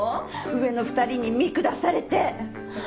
上の２人に見下されて。